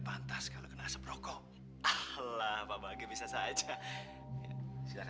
pampas kalau kena asap rokok allah baik bisa saja